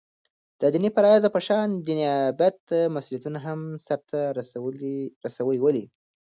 دديني فرائضو په شان دنيابت مسؤليتونه هم سرته رسوي ولي